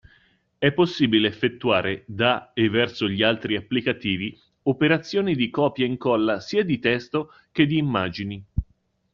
È possibile effettuare da e verso gli altri applicativi operazioni di copia/incolla sia di testo che di immagini.